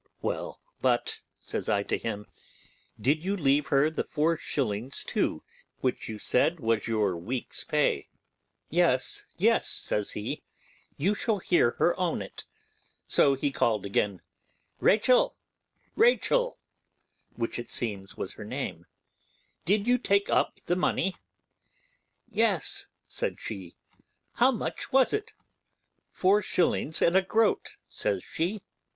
'Well, but', says I to him, 'did you leave her the four shillings too, which you said was your week's pay?' 'Yes, yes,' says he; 'you shall hear her own it.' So he calls again, 'Rachel, Rachel,' which it seems was her name, 'did you take up the money?' 'Yes,' said she. 'How much was it?' said he. 'Four shillings and a groat,' said she.